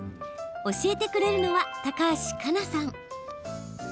教えてくれるのは高橋佳那さん。